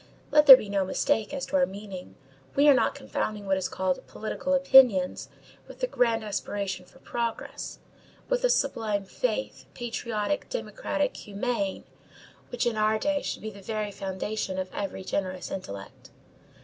Let there be no mistake as to our meaning: we are not confounding what is called "political opinions" with the grand aspiration for progress, with the sublime faith, patriotic, democratic, humane, which in our day should be the very foundation of every generous intellect.